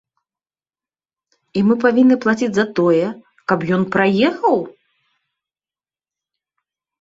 І мы павінны плаціць за тое, каб ён праехаў?